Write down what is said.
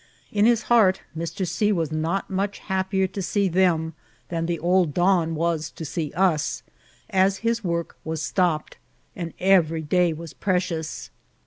In his heart Mr. C. was not much happier to see them than the old don was to see US| as his work was stopped, and every day ni^as precious.